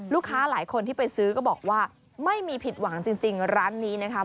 ลูกค้าหลายคนที่ไปซื้อก็บอกว่าไม่มีผิดหวังจริงร้านนี้นะคะ